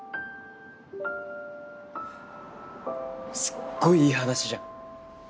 すっごいいい話じゃん。